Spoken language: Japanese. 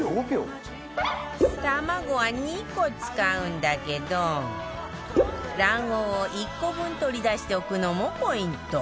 卵は２個使うんだけど卵黄を１個分取り出しておくのもポイント